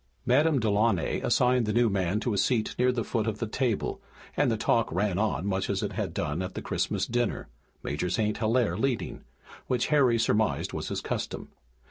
Madame Delaunay assigned the new man to a seat near the foot of the table and the talk ran on much as it had done at the Christmas dinner, Major St. Hilaire leading, which Harry surmised was his custom.